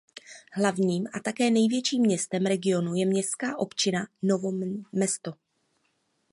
Hlavním a také největším městem regionu je městská občina Novo mesto.